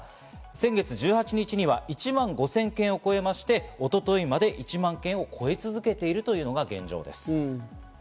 先月１８日には１万５０００件を超えまして、一昨日まで１万件を超え続けているというのが現状です。